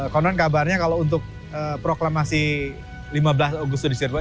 konon kabarnya kalau untuk proklamasi lima belas agustus di cirebon